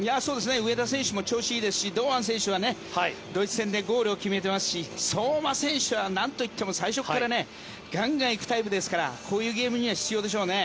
上田選手も調子いいですし堂安選手はドイツ戦でゴールを決めていますし相馬選手はなんといっても最初からガンガン行くタイプですからこういうゲームには必要でしょうね。